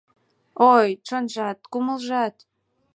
Ой, чонжат, кумылжат!